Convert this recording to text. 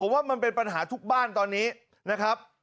ว่ามันเป็นปัญหาทุกบ้านตอนนี้นะครับ